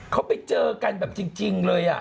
เขาไปเจอกันแบบจริงเลย